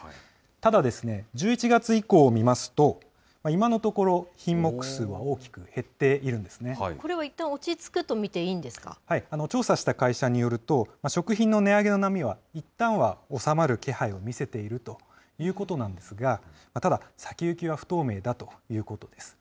ただですね、１１月以降を見ますと、今のところ、品目数は大きくこれはいったん、調査した会社によると、食品の値上げの波は、いったんは収まる気配を見せているということなんですが、ただ、先行きは不透明だということです。